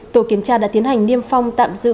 tổ kiểm tra đã tiến hành niêm phong tạm giữ